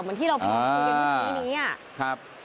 เหมือนที่เราพูดอยู่ในวันนี้